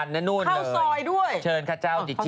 สนุนโดยดีที่สุดคือการให้ไม่สิ้นสุด